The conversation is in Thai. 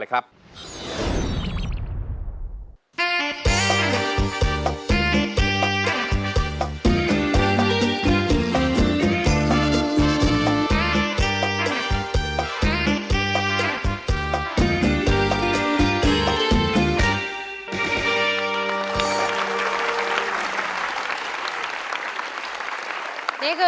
แล้วก็กลับไปทำงานอีกหนึ่ง